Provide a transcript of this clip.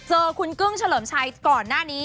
เจอคุณกึ้งเฉลิมชัยก่อนหน้านี้